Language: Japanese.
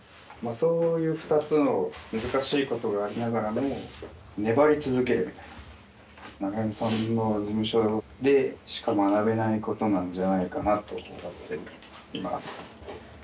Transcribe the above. そういう２つの難しいことがありながらも粘り続けるみたいな永山さんの事務所でしか学べないことなんじゃないかなと思っています